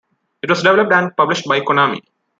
It was developed and published by Konami.